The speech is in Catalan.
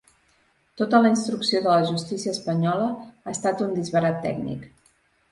Tota la instrucció de la justícia espanyola ha estat un disbarat tècnic.